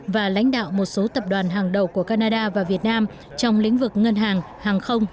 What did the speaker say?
và lãnh đạo một số tập đoàn hàng đầu của canada và việt nam trong lĩnh vực ngân hàng hàng không